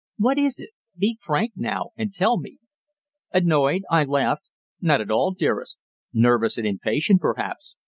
What is it? Be frank now and tell me." "Annoyed?" I laughed. "Not at all, dearest. Nervous and impatient, perhaps.